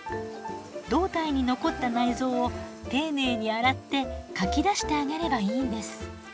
胴体に残った内臓を丁寧に洗ってかき出してあげればいいんです。